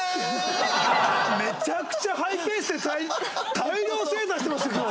めちゃくちゃハイペースで大量生産してますよ今日。